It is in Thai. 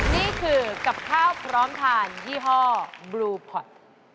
นี่คือกับข้าวพร้อมทานยี่ห้อบลูพอร์ต